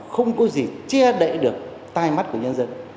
không có gì che đậy được tai mắt của nhân dân